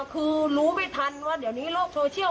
คือรู้ไม่ทันว่าเดี๋ยวนี้โลกโซเชียล